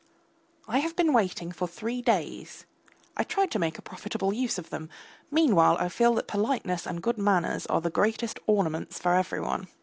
I have been waiting for three days, I tried to make a profitable use of them meanwhile I feel that politeness and good manners are the greatest of ornaments for every one.